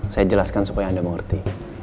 saya jelaskan supaya anda mengerti